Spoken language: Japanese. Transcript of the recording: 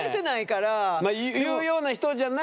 言うような人じゃないけど。